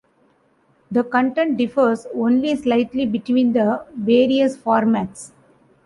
The content differs only slightly between the various formats.